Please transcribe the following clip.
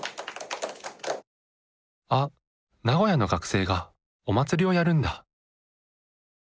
あっ名古屋の学生がお祭りをやるんだ。